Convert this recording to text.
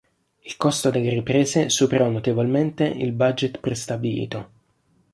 Il costo delle riprese superò notevolmente il budget prestabilito.